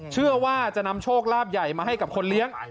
เชื่อว่าจะนำโชคลาภใหญ่มาให้กับคนเลี้ยง